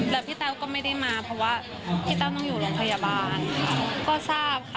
แล้วพี่แต้วก็ไม่ได้มาเพราะว่าพี่แต้วต้องอยู่โรงพยาบาลก็ทราบค่ะ